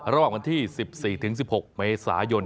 ระหว่างวันที่๑๔๑๖เมษายน